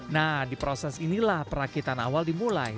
nah di proses inilah perakitan awal dimulai